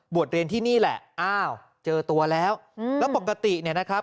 เรียนที่นี่แหละอ้าวเจอตัวแล้วแล้วปกติเนี่ยนะครับ